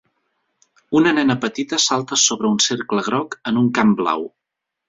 Una nena petita salta sobre un cercle groc en un camp blau.